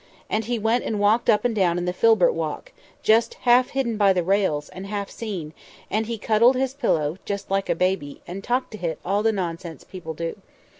And he went and walked up and down in the Filbert walk—just half hidden by the rails, and half seen; and he cuddled his pillow, just like a baby, and talked to it all the nonsense people do.